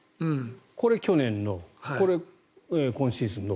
これ去年の、これ今シーズンの。